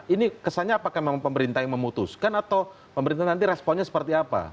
ini kesannya apakah memang pemerintah yang memutuskan atau pemerintah nanti responnya seperti apa